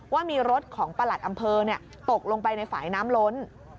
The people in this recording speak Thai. ว่ามีรถของประหลัดอำเภอตกลงไปในฝ่ายน้ำล้น